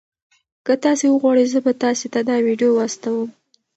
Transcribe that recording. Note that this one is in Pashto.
که تاسي وغواړئ زه به تاسي ته دا ویډیو واستوم.